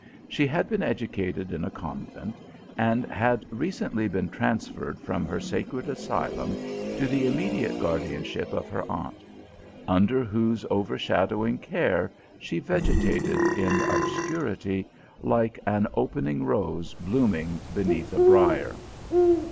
She had been educated in a convent, and had recently been transferred from her sacred asylum to the immediate guardianship of her aunt ; under whose overshadowing care she vegetated in obscurity, like an opening rose blooming beneath a briar.